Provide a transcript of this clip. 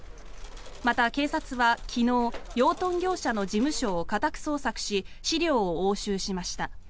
また、警察は昨日養豚業者の事務所を家宅捜索し資料を押収しました。